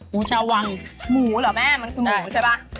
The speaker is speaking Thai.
หมูชาววังหมูเหรอแม่มันคือหมูใช่ป่ะ